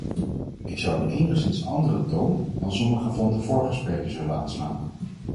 Ik zou een enigszins andere toon dan sommige van de vorige sprekers willen aanslaan.